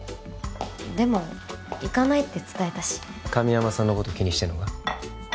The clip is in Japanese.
でも行かないって伝えたし神山さんのこと気にしてんのか？